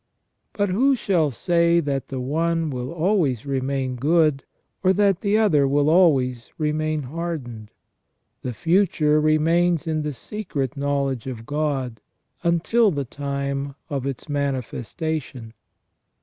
But who shall say that the one will always remain good, or that I02 CREATION AND PRO VIDENCE. the other will always remain hardened ? The future remains in the secret knowledge of God until the time of its manifestation.